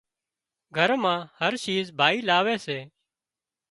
گھر مان هر شيز ڀائي لاوي سي